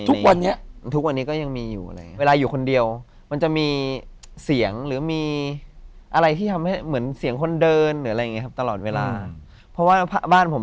ที่อยู่ตอนนี้มันเป็นบ้านที่เพิ่งมาอยู่ใหม่แล้วก็ยังไม่ได้ทำบุญบ้าน